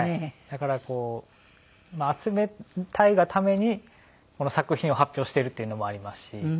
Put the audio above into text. だからこう集めたいがために作品を発表しているっていうのもありますし。